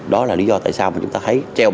đó là lý do tại sao chúng ta thấy